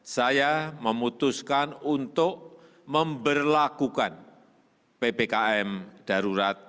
saya memutuskan untuk memperlakukan ppkm darurat